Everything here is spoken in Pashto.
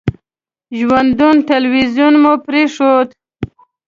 ژوندون تلویزیون مو پرېښود.